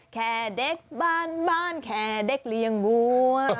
แค่เด็กบ้านแค่เด็กเลี้ยงบัว